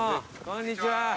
こんにちは。